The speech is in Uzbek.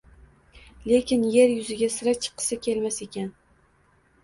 Lekin yer yuziga sira chiqqisi kelmas ekan.